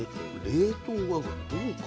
冷凍がどうか。